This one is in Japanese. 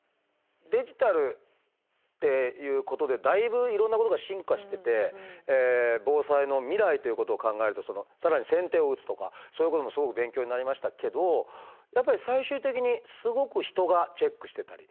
デジタルっていうことでだいぶいろんなことが進化してて防災の未来ということを考えると更に先手を打つとかそういうこともすごく勉強になりましたけどやっぱり最終的にすごく人がチェックしてたり。